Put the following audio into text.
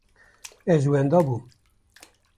Ez wenda bûm.